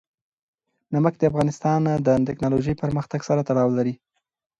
نمک د افغانستان د تکنالوژۍ پرمختګ سره تړاو لري.